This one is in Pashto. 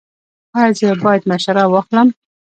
ایا زه باید مشوره واخلم؟